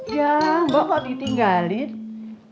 ya mbak kok ditinggalin